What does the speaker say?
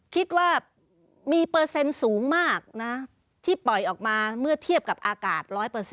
คิดว่ามีเปอร์เซ็นต์สูงมากนะที่ปล่อยออกมาเมื่อเทียบกับอากาศ๑๐๐